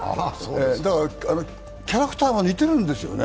だから、キャラクターが似てるんですよね。